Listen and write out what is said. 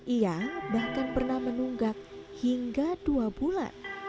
ia bahkan pernah menunggak hingga dua bulan